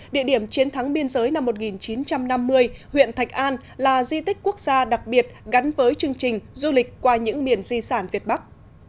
địa điểm chiến thắng biên giới năm một nghìn chín trăm năm mươi huyện thạch an là di tích quốc gia đặc biệt gắn với chương trình du lịch qua những miền di sản việt bắc